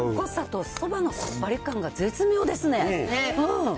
そばのさっぱり感が絶妙ですね。